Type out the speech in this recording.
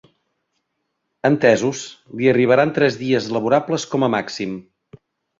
Entesos, li arribarà en tres dies laborables com a màxim.